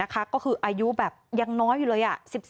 ก็คืออายุแบบยังน้อยอยู่เลย